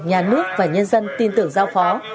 nhà nước và nhân dân tin tưởng giao khó